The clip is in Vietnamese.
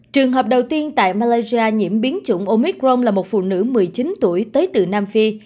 trường hợp đầu tiên tại malaysia nhiễm biến chủng omicron là một phụ nữ một mươi chín tuổi tới từ nam phi